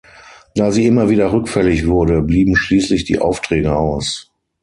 Da sie immer wieder rückfällig wurde, blieben schließlich die Aufträge aus.